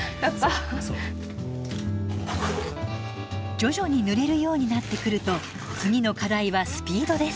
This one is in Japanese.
徐々に塗れるようになってくると次の課題はスピードです。